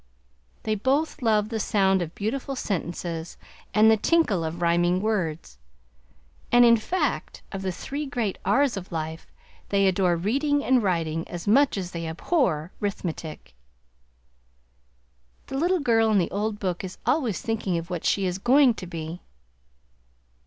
They both love the sound of beautiful sentences and the tinkle of rhyming words, and in fact, of the three great R's of life, they adore Reading and Riting, as much as they abhor 'Rithmetic. The little girl in the old book is always thinking of what she is "going to be."